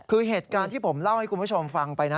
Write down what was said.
คือเหตุการณ์ที่ผมเล่าให้คุณผู้ชมฟังไปนะ